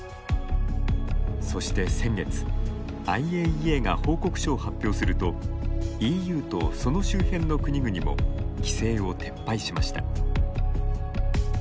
そして先月ＩＡＥＡが報告書を発表するとＥＵとその周辺の国々も規制を撤廃しました。